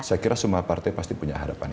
saya kira semua partai pasti punya harapan